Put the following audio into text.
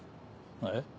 えっ？